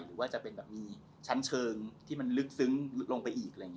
หรือว่าจะเป็นแบบมีชั้นเชิงที่มันลึกซึ้งลงไปอีก